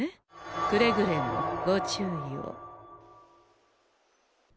くれぐれもご注意を。